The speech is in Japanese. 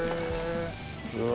うわ！